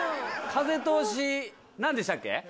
風通しなんでしたっけ？